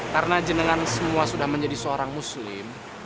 karena jenengan semua sudah menjadi seorang muslim